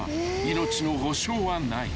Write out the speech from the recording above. ［命の保証はない］